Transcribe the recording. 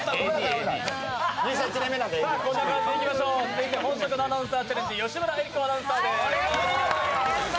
続いて本職のアナウンサーチャレンジ、吉村恵里子アナウンサーです。